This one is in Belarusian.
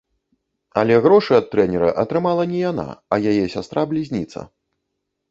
Але грошы ад трэнера атрымала не яна, а яе сястра-блізніца.